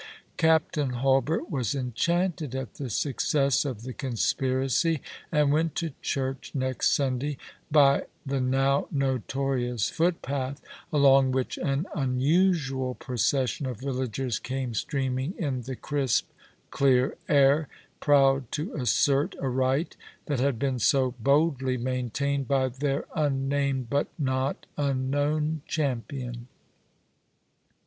Captain Hulbert was enchanted at the success of the conspiracy, and went to church next Sunday by the now notorious foot path, along which an unusual pro cession of villagers came streaming in the crisp, clear air, proud to assert a right that had been so boldly maintained by their unnamed but not unknown champion.